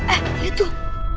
eh ini tuh